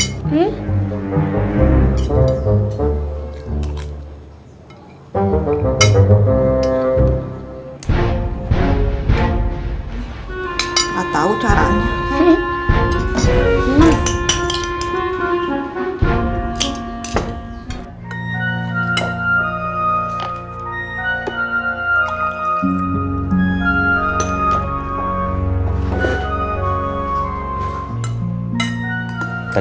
gak tau caranya